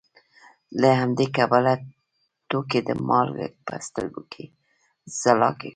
له همدې کبله توکي د مالک په سترګو کې ځلا کوي